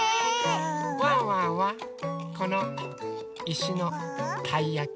ワンワンはこのいしのたいやき。